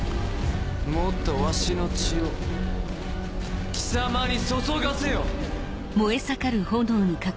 もっとわしの血を貴様に注がせよ。